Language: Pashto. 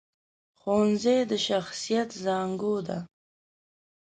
ښوونځی د شخصیت زانګو ده